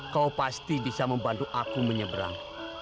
kau pasti bisa membantu aku menyeberang